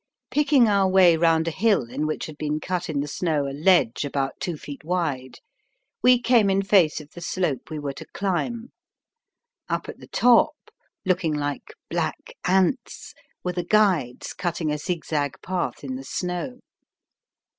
Picking our way round a hill in which had been cut in the snow a ledge about two feet wide, we came in face of the slope we were to climb. Up at the top, looking like black ants, were the guides cutting a zigzag path in the snow.